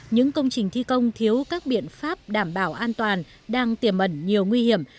những công trình thi công thiếu các biện pháp đảm bảo an toàn đang tiềm ẩn nhiều nguy hiểm